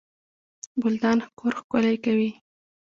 ګلدان کور ښکلی کوي